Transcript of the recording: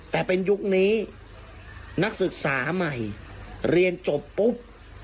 แต่เป็นยุคนี้นักศึกษาใหม่เรียนจบปุ๊บ